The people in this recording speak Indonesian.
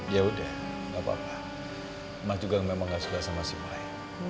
ya udah enggak apa apa mas juga enggak suka sama si boy